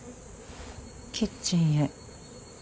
キッチンへ。